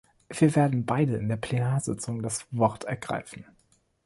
Wir werden beide in der Plenarsitzung das Wort ergreifen.